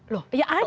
loh ya ada